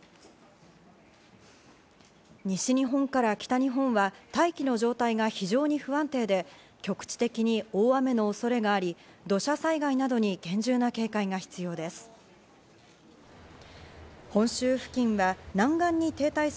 西日本から北日本は大気の状態が非常に不安定で局地的に大雨の恐れがあり、土砂災害などに厳重な警戒が必要です。